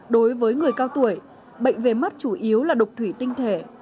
đối với người cao tuổi bệnh về mắt chủ yếu là đục thủy tinh thể